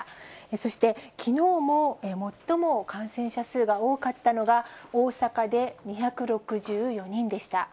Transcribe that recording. そしてきのうも最も感染者数が多かったのが、大阪で２６４人でした。